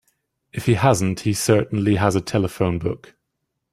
If he hasn't he certainly has a telephone book.